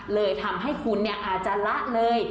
เลยทำให้คุณอาจจะละเลย